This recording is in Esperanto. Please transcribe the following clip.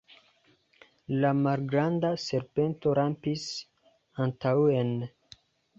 La malgranda serpento rampis antaŭen.